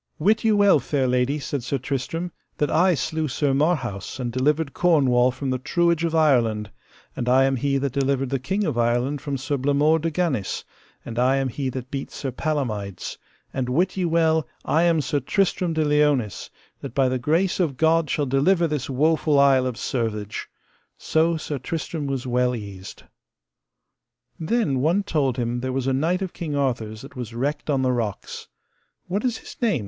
Wit you well, fair lady, said Sir Tristram, that I slew Sir Marhaus and delivered Cornwall from the truage of Ireland, and I am he that delivered the King of Ireland from Sir Blamore de Ganis, and I am he that beat Sir Palamides; and wit ye well I am Sir Tristram de Liones, that by the grace of God shall deliver this woful Isle of Servage. So Sir Tristram was well eased. Then one told him there was a knight of King Arthur's that was wrecked on the rocks. What is his name?